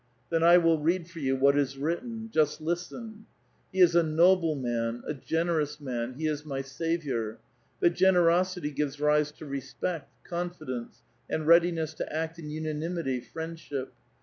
''Then 1 will read for you what is written. Just listen. —^ He is a noble man, a generous man ; be is my saviour ! But generosity gives rise to respect, confidence, and readiness to act in unanimity, friendship.